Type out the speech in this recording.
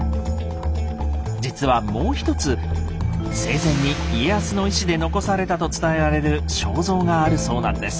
実はもう一つ生前に家康の意思で残されたと伝えられる肖像があるそうなんです。